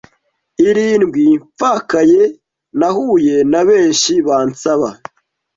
irindwi mfakaye nahuye na benshi bansaba